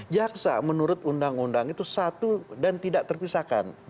jaksa menurut undang undang itu satu dan tidak terpisahkan